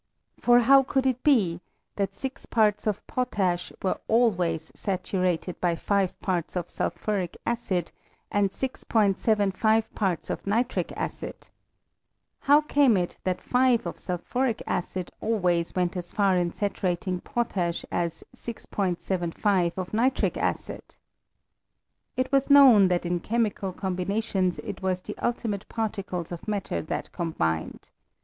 For how could it be, that six parts of potash were always sa turated by five parts of sulphuric acid and 6 75 parts of nitric acid ? How came it that five of sulphuric acid always went as far in saturating potash as 6'75 of nitric acid? It was known, tbat in chemical | combinations it was the ultimate particles of matter that combined.